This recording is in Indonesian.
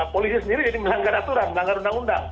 polisi sendiri jadi melanggar aturan melanggar undang undang